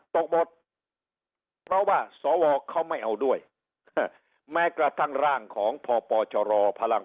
ตกหมดเพราะว่าสวเขาไม่เอาด้วยแม้กระทั่งร่างของพปชรพลัง